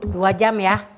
dua jam ya